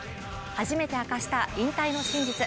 初めて明かした引退の真実。